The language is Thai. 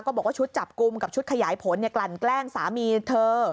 บอกว่าชุดจับกลุ่มกับชุดขยายผลกลั่นแกล้งสามีเธอ